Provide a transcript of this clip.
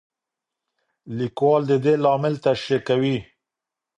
لیکوال د دې لامل تشریح کوي.